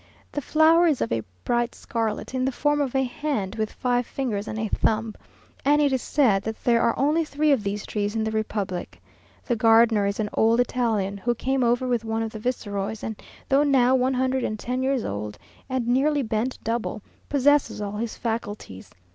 The flower is of a bright scarlet, in the form of a hand, with five fingers and a thumb; and it is said that there are only three of these trees in the republic. The gardener is an old Italian, who came over with one of the viceroys, and though now one hundred and ten years old, and nearly bent double, possesses all his faculties.